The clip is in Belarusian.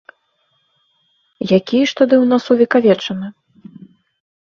Якія ж тады ў нас увекавечаны?